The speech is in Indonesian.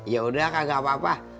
ya udah kak gak apa apa